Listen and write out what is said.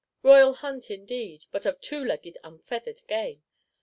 Royal Hunt indeed; but of two legged unfeathered game!